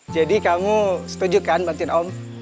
jadi kamu setuju kan bantuin om